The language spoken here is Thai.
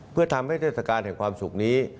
เพื่อทำให้เทศกาลแห่งความสุขนี้